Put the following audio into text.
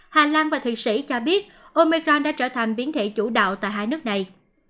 hà lan và thuyền sĩ cho biết omicron đã trở thành biến thể chủ đạo tại hai nước này